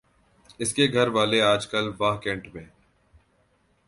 اس کے گھر والے آجکل واہ کینٹ میں